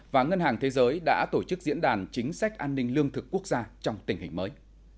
và ngân hàng thế giới đã tổ chức diễn đàn chính sách an ninh lương thực quốc gia trong tình hình mới